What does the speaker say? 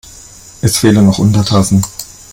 Es fehlen noch Untertassen.